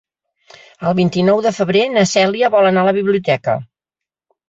El vint-i-nou de febrer na Cèlia vol anar a la biblioteca.